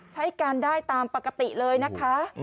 ใช้การได้ตามปกติเลยนะคะ